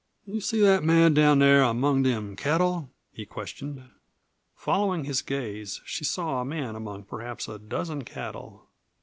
"You see that man down there among them cattle?" he questioned. Following his gaze, she saw a man among perhaps a dozen cattle.